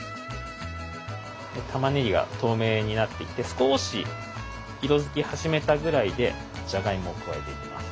たまねぎが透明になってきて少し色づき始めたぐらいでじゃがいもを加えていきます。